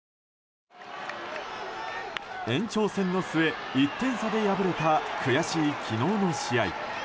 延長戦の末、１点差で敗れた悔しい昨日の試合。